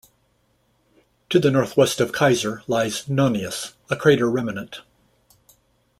To the northwest of Kaiser lies Nonius, a crater remnant.